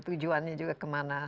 tujuannya juga kemana